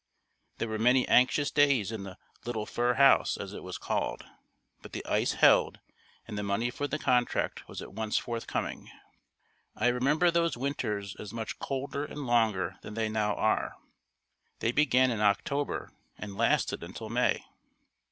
There were many anxious days in the "little fur house" as it was called, but the ice held and the money for the contract was at once forthcoming. I remember those winters as much colder and longer than they now are. They began in October and lasted until May.